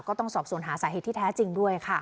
ก็ต้องสอบสวนหาสาเหตุที่แท้จริงด้วยค่ะ